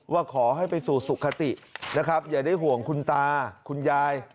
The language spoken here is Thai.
ว่าขอให้ไปสู่สุขตินะครับอย่าได้ห่วงคุณตาคุณยาย